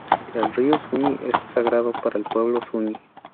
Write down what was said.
El río Zuñi es sagrado para el pueblo Zuñi.